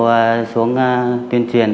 được cán bộ xuống tuyên truyền